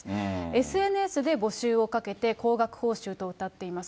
ＳＮＳで募集をかけて、高額報酬とうたっています。